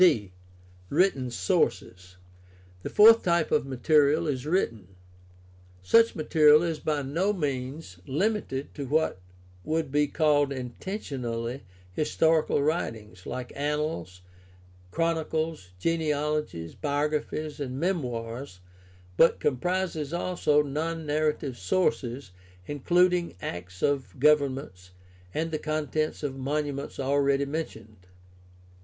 d) Written sources. — The fourth type of material is written. Such material is by no means limited to what would be called intentionally historical writings, like annals, chronicles, genealogies, biographies, and memoirs, but com prises also non narrative sources, including acts of govern ments, and the contents of "monuments" already mentioned.